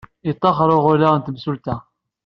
Yettaxer uɣella n temsulta.